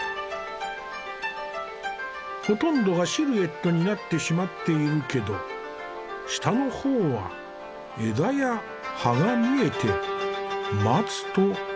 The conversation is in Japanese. ほとんどがシルエットになってしまっているけど下の方は枝や葉が見えて松と分かるね。